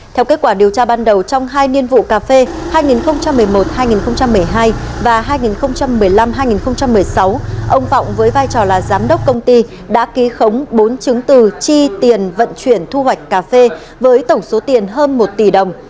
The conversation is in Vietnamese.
theo kết quả điều tra ban đầu trong hai niên vụ cà phê hai nghìn một mươi một hai nghìn một mươi hai và hai nghìn một mươi năm hai nghìn một mươi sáu ông vọng với vai trò là giám đốc công ty đã ký khống bốn chứng từ chi tiền vận chuyển thu hoạch cà phê với tổng số tiền hơn một tỷ đồng